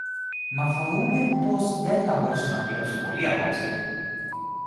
Μα φοβούμαι πως δε θα μπορέσω να δουλέψω πολύ απόψε